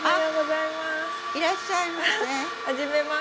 いらっしゃいませ。